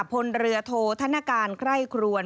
พลเรือโทษธนการไคร่ครวน